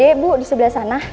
ibu di sebelah sana